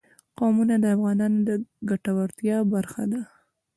قومونه د افغانانو د ګټورتیا برخه ده.